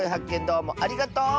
どうもありがとう！